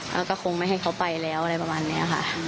แล้วก็คงไม่ให้เขาไปแล้วอะไรประมาณนี้ค่ะ